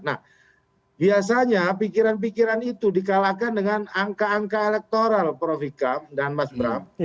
nah biasanya pikiran pikiran itu dikalahkan dengan angka angka elektoral prof ikam dan mas bram